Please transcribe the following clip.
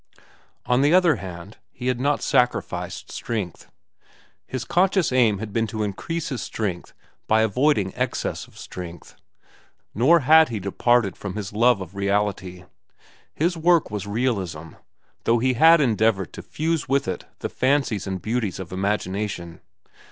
On the other hand, he had not sacrificed strength. His conscious aim had been to increase his strength by avoiding excess of strength. Nor had he departed from his love of reality. His work was realism, though he had endeavored to fuse with it the fancies and beauties of imagination.